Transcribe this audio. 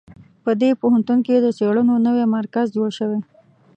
په دې پوهنتون کې د څېړنو نوی مرکز جوړ شوی